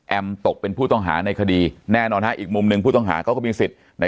แอมตกเป็นผู้ต้องหาในคดีแน่นอนในอีกมุมของมันก็มีสิทธิ์